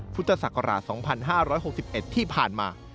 พุทธศักราช๒๕๖๑ที่ผ่านมา